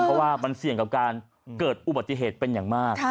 เพราะว่ามันเสี่ยงกับการเกิดอุบัติเหตุเป็นอย่างมาก